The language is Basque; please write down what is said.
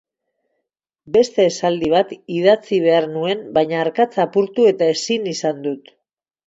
Beste esaldi bat idatzi behar nuen baina arkatza apurtu eta ezin izan dut.